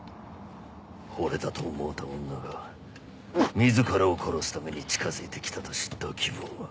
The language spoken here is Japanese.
惚れたと思うた女が自らを殺すために近づいて来たと知った気分は。